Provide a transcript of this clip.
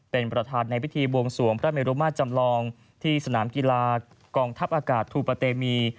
เป็นประธานในพิธีบวงสวงพระเมรุมาตรจำลองที่สนามกีฬากองทัพอากาศทูปะเตมี